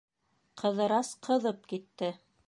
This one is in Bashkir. Ҡыҙырас ҡыҙып китте.